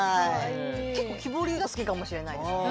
結構木彫りが好きかもしれないですね。